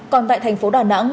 còn tại thành phố đà nẵng